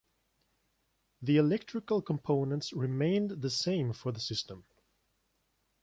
The electrical components remained the same for the system.